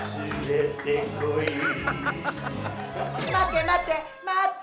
待て待て！待って！